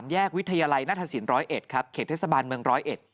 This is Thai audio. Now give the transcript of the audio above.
๓แยกวิทยาลัยณฐศิลป์๑๐๑ครับเขตเทศบาลเมือง๑๐๑